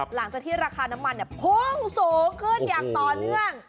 หลังจากที่ราคาน้ำมันพุ่งสูงขึ้นอย่างต่อเนื่อง